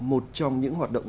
một trong những hoạt động